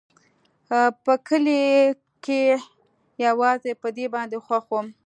په کلي کښې يوازې په دې باندې خوښ وم.